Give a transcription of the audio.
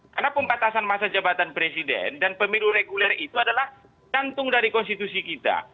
karena pembatasan masa jabatan presiden dan pemilu reguler itu adalah jantung dari konstitusi kita